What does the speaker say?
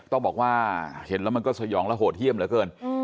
ต้องบอกว่าเห็นแล้วมันก็สยองและโหดเยี่ยมเหลือเกิน